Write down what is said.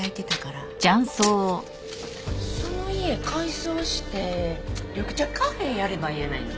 その家改装して緑茶カフェやればええやないの。